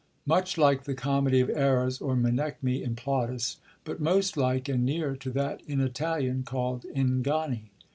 Much like the Comedy of Errors, or Menechmi in Plautus ; but most like and neere to that in Italian called Inganni.